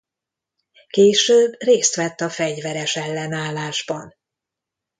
Később részt vett a fegyveres ellenállásban.